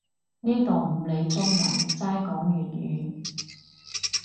呢度唔理中文，齋講粵語